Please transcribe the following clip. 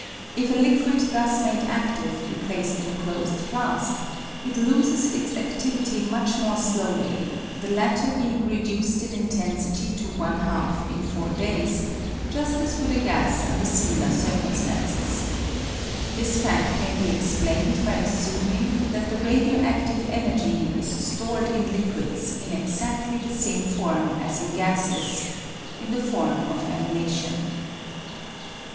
If a liquid thus made adtive be placed in a closed flask, it loses its adtivity much more slowly ; the latter being re duced in intensity to one half in four days, just as would a gas under similar circumstances. This fadl may be ex plained by assuming that the radio adtive energy is stored in liquids in exadtly the same form as in gases (in the form of an emanation).